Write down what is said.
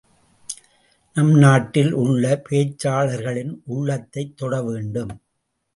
நம் நாட்டில் உள்ள பேச்சாளர்களின் உள்ளத்தைத் தொடவேண்டும்.